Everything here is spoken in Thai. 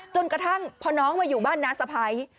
จนกระทั่งพอน้องมาอยู่บ้านน้าสะพ้าย